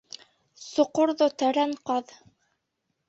— Соҡорҙо тәрән ҡаҙ.